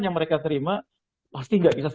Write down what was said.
yang mereka terima pasti nggak bisa